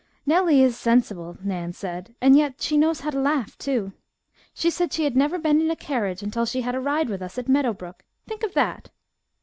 "Nellie is sensible," Nan said, "and yet she knows how to laugh, too. She said she had never been in a carriage until she had a ride with us at Meadow Brook. Think of that!"